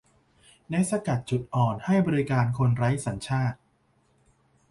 แนะสกัดจุดอ่อนให้บริการคนไร้สัญชาติ